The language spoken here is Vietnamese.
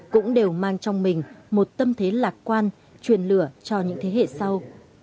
cũng đều mang trong mình một tâm thế lạc quan truyền lửa cho những thế hệ sau